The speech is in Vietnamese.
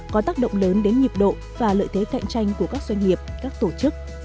có tác động lớn đến nhịp độ và lợi thế cạnh tranh của các doanh nghiệp các tổ chức